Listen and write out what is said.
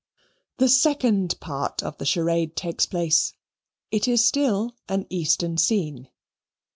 The second part of the charade takes place. It is still an Eastern scene.